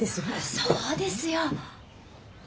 そうですよ！